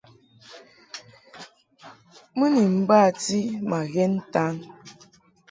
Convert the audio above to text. Mɨ ni bati ma ghɛn ntan.